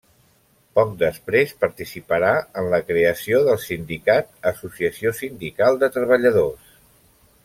Poc després participarà en la creació del sindicat Associació Sindical de Treballadors.